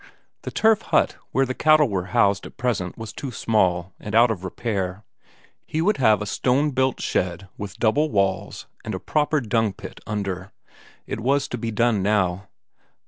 The turf hut where the cattle were housed at present was too small, and out of repair; he would have a stone built shed with double walls and a proper dung pit under. It was to be done now.